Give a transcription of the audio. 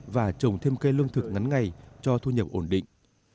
và trồng thêm cây lương thực ngắn ngày cho thu nhập ổn định